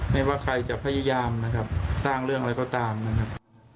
ไม่ว่าใครจะพยายามนะครับสร้างเรื่องอะไรก็ตามนะครับ